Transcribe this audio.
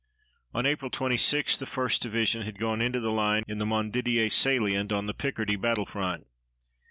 On April 26 the 1st Division had gone into the line in the Montdidier salient on the Picardy battle front.